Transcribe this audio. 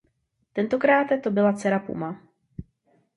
Tentokráte to byla dcera Puma.